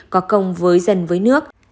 có công với dân với nước